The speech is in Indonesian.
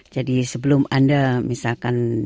jadi sebelum anda misalkan